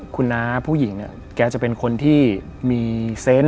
คุณน้าผู้หญิงเนี่ยแกจะเป็นคนที่มีเซนต์